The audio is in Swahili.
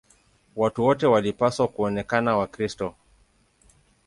Watu wote walipaswa kuonekana Wakristo.